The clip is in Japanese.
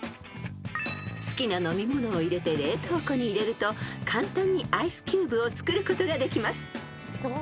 ［好きな飲み物を入れて冷凍庫に入れると簡単にアイスキューブを作ることができます］